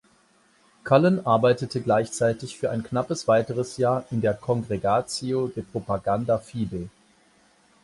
Cullen arbeitete gleichzeitig für ein knappes weiteres Jahr in der "Congregatio de Propaganda Fide".